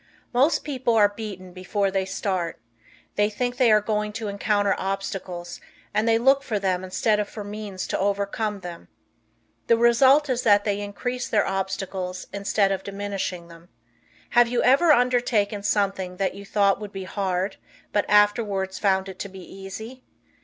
Most people are beaten before they start. They think they are going to encounter obstacles, and they look for them instead of for means to overcome them. The result is that they increase their obstacles instead of diminishing them. Have you ever undertaken something that you thought would be hard, but afterwards found it to be easy?